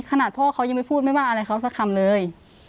ขนาดพ่อเขายังไม่พูดไม่ว่าอะไรเขาสักคำเลย